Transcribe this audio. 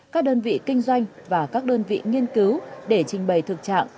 các đơn vị kinh doanh và các đơn vị nghiên cứu để trình bày thực trạng